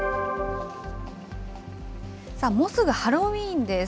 もうすぐハロウィーンです。